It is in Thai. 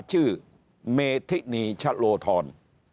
ชื่อเมธินีชะโลธร